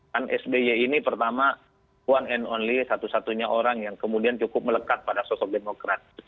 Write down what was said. kan sby ini pertama one and only satu satunya orang yang kemudian cukup melekat pada sosok demokrat